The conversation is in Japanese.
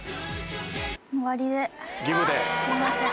すいません。